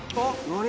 何？